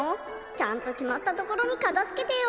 ちゃんときまったところにかたづけてよ。